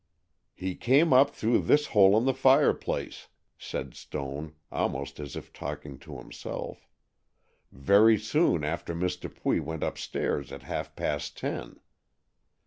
"He came up through this hole in the fireplace," said Stone, almost as if talking to himself, "very soon after Miss Dupuy went upstairs at half past ten.